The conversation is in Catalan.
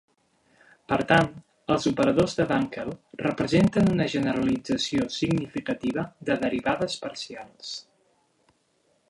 Per tant, els operadors de Dunkl representen una generalització significativa de derivades parcials.